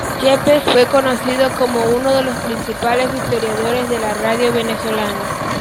Yepes fue conocido como uno de los principales historiadores de la radio venezolana.